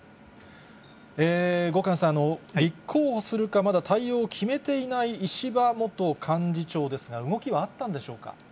後閑さん、立候補するかまだ対応を決めていない石破元幹事長ですが、動きはあったんでしょうか。